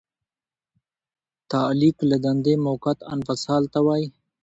تعلیق له دندې موقت انفصال ته وایي.